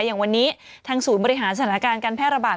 อย่างวันนี้ทางศูนย์บริหารสถานการณ์การแพร่ระบาด